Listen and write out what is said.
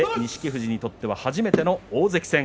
富士にとっては初めての大関戦。